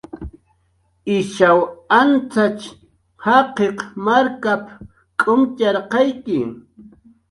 "Ishaw antzatx jaqiq markap"" k'umtxarqayki"